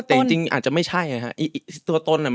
แต่จริงอาจจะไม่ใช่ครับ